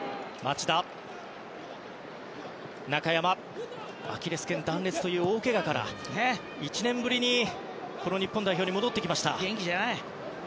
中村はアキレス腱断裂という大けがから１年ぶりに日本代表に戻ってきました。